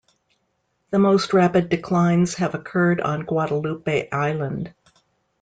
The most rapid declines have occurred on Guadalupe Island.